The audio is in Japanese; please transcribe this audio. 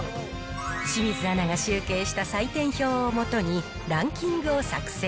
清水アナが集計した採点表をもとに、ランキングを作成。